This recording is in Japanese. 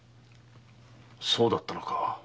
そうだったのか。